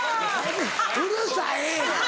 うるさい！